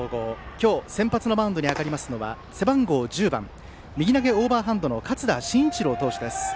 今日先発のマウンドに上がりますのは背番号１０番右投げオーバーハンドの勝田新一朗投手です。